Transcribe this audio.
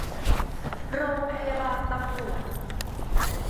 โรงพยาบาลตำรวจ